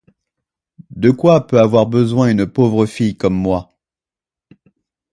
De quoi peut avoir besoin une pauvre fille comme moi ?